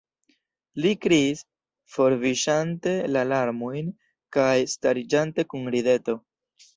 li kriis, forviŝante la larmojn kaj stariĝante kun rideto.